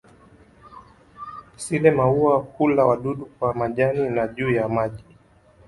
Sile-maua hula wadudu kwa majani na juu ya maji.